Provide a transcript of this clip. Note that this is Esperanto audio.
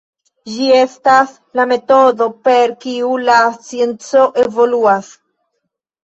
Ĝi estas la metodo per kiu la scienco evoluas.